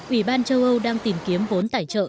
ủy ban châu âu đang tìm kiếm vốn tài trợ